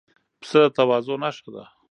پسه د تواضع نښه ده.